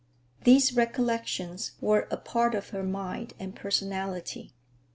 These recollections were a part of her mind and personality.